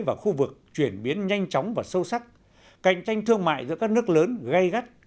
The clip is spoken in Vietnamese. và khu vực chuyển biến nhanh chóng và sâu sắc cạnh tranh thương mại giữa các nước lớn gây gắt